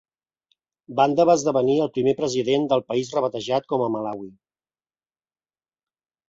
Banda va esdevenir el primer president del país rebatejat com a Malawi.